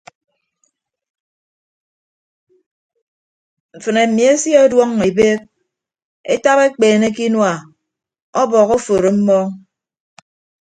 Mfịnne mmi esie ọduọñọ ebeek etap ekpeene ke inua ọbọhọ oforo mmọọñ.